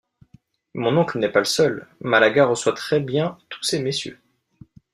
Mon oncle n’est pas le seul, Malaga reçoit très-bien tous ces messieurs...